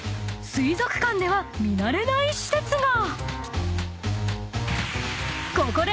［水族館では見慣れない施設が］